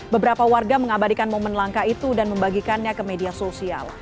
beberapa warga mengabadikan momen langka itu dan membagikannya ke media sosial